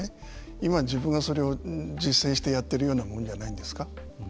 今、自分がそれを実践してやっているようなものじゃないですか。